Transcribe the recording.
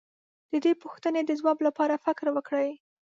د دې پوښتنې د ځواب لپاره فکر وکړئ.